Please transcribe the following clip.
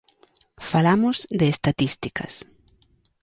Falamos de estatísticas.